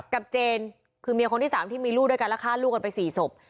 เจนคือเมียคนที่๓ที่มีลูกด้วยกันแล้วฆ่าลูกกันไป๔ศพ